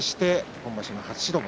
今場所、初白星。